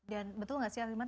dan betul gak sih ariman